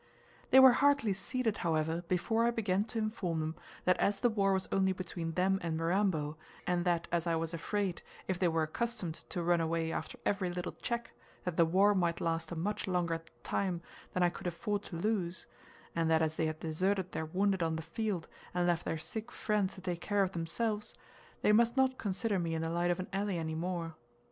They were hardly seated, however, before I began to inform them that as the war was only between them and Mirambo, and that as I was afraid, if they were accustomed to run away after every little check, that the war might last a much longer time than I could afford to lose; and that as they had deserted their wounded on the field, and left their sick friends to take care of themselves, they must not consider me in the light of an ally any more.